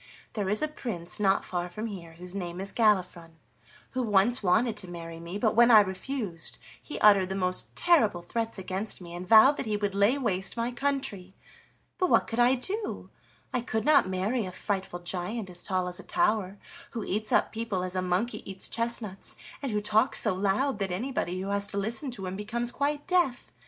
There is a prince not far from here whose name is Galifron, who once wanted to marry me, but when I refused he uttered the most terrible threats against me, and vowed that he would lay waste my country. But what could I do? I could not marry a frightful giant as tall as a tower, who eats up people as a monkey eats chestnuts, and who talks so loud that anybody who has to listen to him becomes quite deaf.